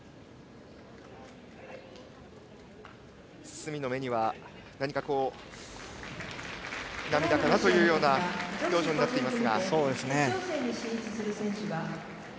角の目には、何か涙かなというような表情になっています。